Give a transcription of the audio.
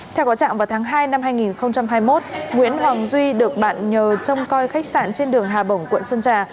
theo có trạng vào tháng hai năm hai nghìn hai mươi một nguyễn hoàng duy được bạn nhờ trông coi khách sạn trên đường hà bổng quận sơn trà